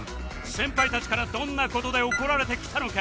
先輩たちからどんな事で怒られてきたのか